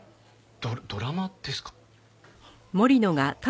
ドラマですか？